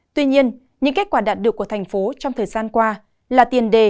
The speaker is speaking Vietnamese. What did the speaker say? tuy nhiên những kết quả đạt được của thành phố trong thời gian qua là tiền đề